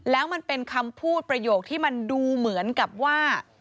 แล้วมันเป็นคำพูดประโยคที่มันดูเหมือนกับว่า